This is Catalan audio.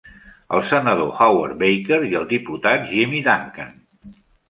El senador Howard Baker i el diputat Jimmy Duncan.